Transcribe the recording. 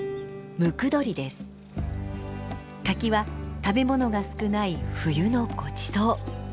柿は食べ物が少ない冬のごちそう。